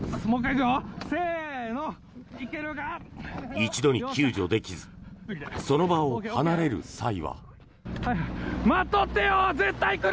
一度に救助できずその場を離れる際は。